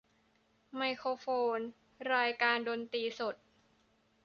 ไมโครโฟน รายการดนตรีสด